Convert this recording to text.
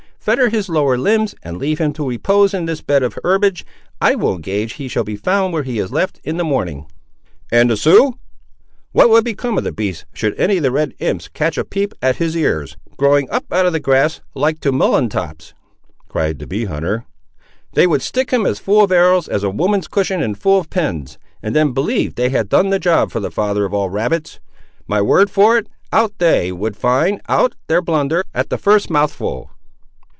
Fetter his lower limbs, and leave him to repose in this bed of herbage. I will engage he shall be found where he is left, in the morning." "And the Siouxes? What would become of the beast should any of the red imps catch a peep at his ears, growing up out of the grass like to mullein tops?" cried the bee hunter. "They would stick him as full of arrows, as a woman's cushion is full of pins, and then believe they had done the job for the father of all rabbits! My word for it out they would find out their blunder at the first mouthful!"